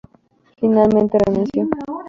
Finalmente renunció.